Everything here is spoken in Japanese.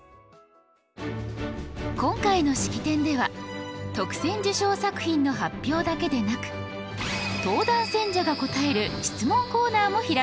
今回の式典では特選受賞作品の発表だけでなく登壇選者が答える質問コーナーも開かれました。